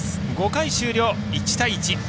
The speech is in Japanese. ５回終了、１対１。